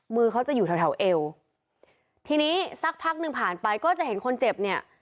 มือเขาจะอยู่แถวแถวเอวทีนี้สักพักหนึ่งผ่านไปก็จะเห็นคนเจ็บเนี่ย